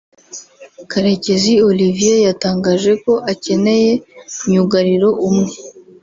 Karekezi Olivier yatangaje ko akeneye myugariro umwe